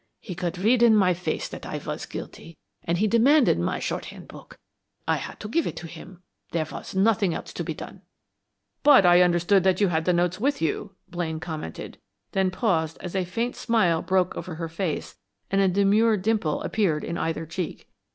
He could read in my face that I was guilty, and he demanded my shorthand note book. I had to give it to him; there was nothing else to be done." "But I understood that you had the notes with you," Blaine commented, then paused as a faint smile broke over her face and a demure dimple appeared in either cheek.